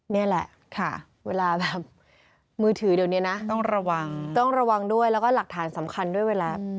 นี่แหละค่ะเวลาแบบมือถือเดี๋ยวนี้นะต้องระวังต้องระวังด้วยแล้วก็หลักฐานสำคัญด้วยเวลา